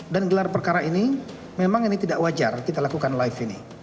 gelar perkara ini memang ini tidak wajar kita lakukan live ini